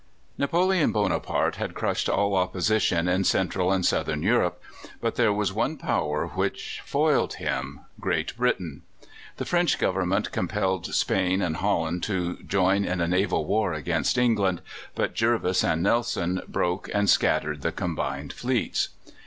Napoleon Bonaparte had crushed all opposition in Central and Southern Europe, but there was one Power which foiled him Great Britain. The French Government compelled Spain and Holland to join in a naval war against England, but Jervis and Nelson broke and scattered the combined fleets.